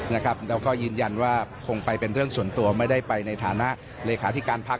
แล้วก็ยืนยันว่าคงไปเป็นเรื่องส่วนตัวไม่ได้ไปในฐานะเลขาธิการพัก